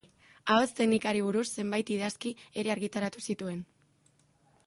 Ahots-teknikari buruz zenbait idazki ere argitaratu zituen.